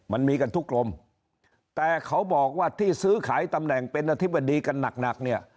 มันมีกันทุกกรมแต่เขาบอกว่าที่ซื้อขายตำแหน่งเป็นอธิบดีกันหนักหนักเนี่ย